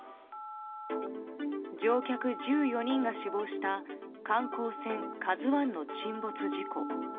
乗客１４人が死亡した観光船「ＫＡＺＵ１」の沈没事故。